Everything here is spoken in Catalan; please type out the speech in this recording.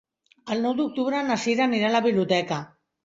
El nou d'octubre na Sira anirà a la biblioteca.